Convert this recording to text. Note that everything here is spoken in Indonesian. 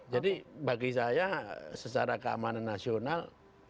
jadi bagi saya secara keamanan nasional